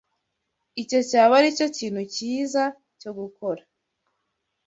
Icyo cyaba aricyo kintu cyiza cyo gukora.